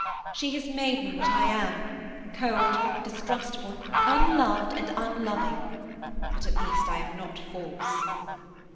She has made me what I am–cold, distrustful, unloved and unloving; but at least I am not false."